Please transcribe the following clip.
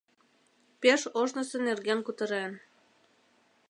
Пеш ожнысо нерген кутырен.